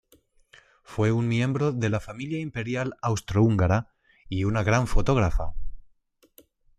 Fue un miembro de la familia imperial austro-húngara y una gran fotógrafa.